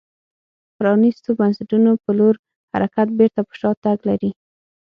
پرانیستو بنسټونو په لور حرکت بېرته پر شا تګ لري